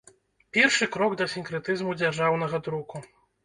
Першы крок да сінкрэтызму дзяржаўнага друку.